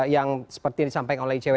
yang seperti disampaikan oleh icw